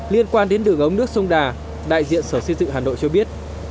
liên quan đến đường ống nước sông đà đại diện sở xây dựng hà nội cho biết